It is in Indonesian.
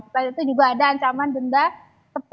setelah itu juga ada ancaman denda rp sepuluh